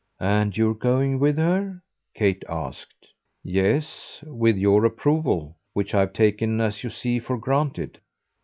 "And you're going with her?" Kate asked. "Yes with your approval; which I've taken, as you see, for granted."